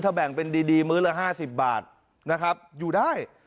แบ่งเป็นดีมื้อละ๕๐บาทนะครับอยู่ได้